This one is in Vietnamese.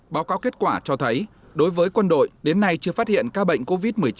báo cáo kết quả cho thấy đối với quân đội đến nay chưa phát hiện ca bệnh covid một mươi chín